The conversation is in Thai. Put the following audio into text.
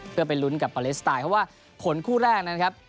เพื่อไปลุ้นกับปาเลสไตน์เพราะว่าผลคู่แรกนะครับ